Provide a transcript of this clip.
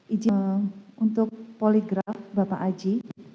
izin untuk poligraf bapak aji